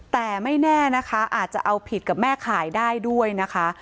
แต่ไม่แน่นะคะอาจจะเอาผิดกับแม่ขายได้ด้วยนะคะ